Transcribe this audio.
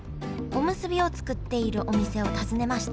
おむすびを作っているお店を訪ねました